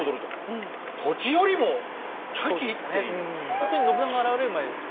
ほんとに信長が現れるまで